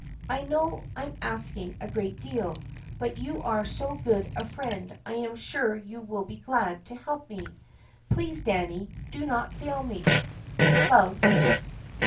I know I am asking a great deal, but you are so good a friend I am sure you will be glad to help me. Please, Danny, do not fail me ! Love.